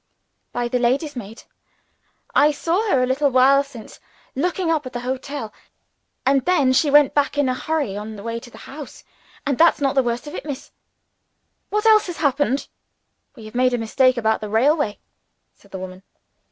"By the lady's maid. I saw her, a little while since, looking up at the hotel and then she went back in a hurry on the way to the house and that's not the worse of it, Miss." "What else has happened?" "We have made a mistake about the railway," said the woman.